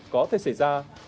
có thể xảy ra